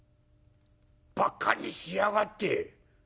ばかにしやがって。